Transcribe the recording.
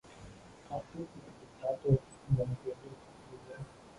Có tích mới dịch ra tuồng: mọi chuyện đều có nguyên nhân